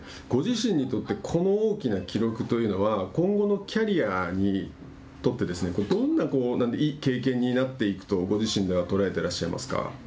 ご自身にとってこの大きな記録というのは今後のキャリアにとってどんな経験になっていくとご自身では捉えていらっしゃいますか。